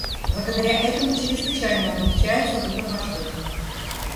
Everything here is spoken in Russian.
Благодаря этому чрезвычайно облегчается выбор вождя.